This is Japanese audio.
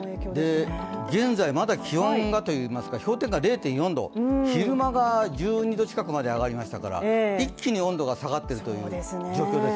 現在まだ気温が氷点下０．４度、昼間が１２度近くまで上がりましたから、一気に温度が下がっているという状況ですね。